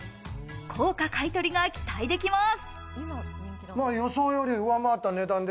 高価買取が期待できます。